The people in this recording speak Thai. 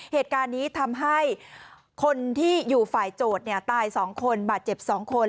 เหตุการณ์นี้ทำให้คนที่อยู่ฝ่ายโจทย์ตาย๒คนบาดเจ็บ๒คน